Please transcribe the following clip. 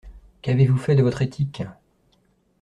Qu’avez-vous fait de votre éthique?